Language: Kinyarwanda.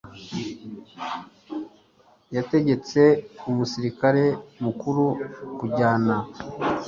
Yategetse umusirikare mukuru kujyana.